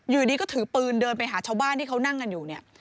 อยู่ดีก็ถือปืนเดินไปหาชาวบ้านที่เขานั่งกันอยู่เนี่ย